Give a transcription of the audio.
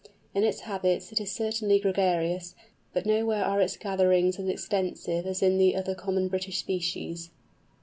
In its habits it is certainly gregarious, but nowhere are its gatherings as extensive as in the other common British species.